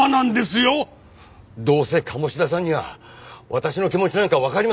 どうせ鴨志田さんには私の気持ちなんかわかりませんよ。